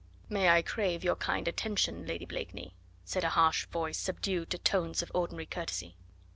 "May I crave your kind attention, Lady Blakeney?" said a harsh voice, subdued to tones of ordinary courtesy.